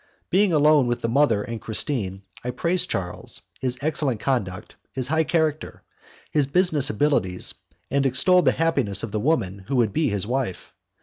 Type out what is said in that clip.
Being alone with the mother and Christine, I praised Charles, his excellent conduct, his high character, his business abilities, and extolled the happiness of the woman who would be his wife.